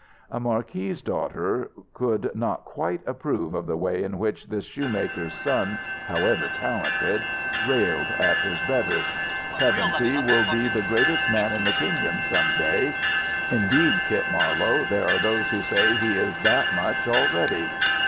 A marquis's daughter could not quite approve of the way in which this shoemaker's son, however talented, railed at his betters. "Pevensey will be the greatest man in these kingdoms some day. Indeed, Kit Marlowe, there are those who say he is that much already."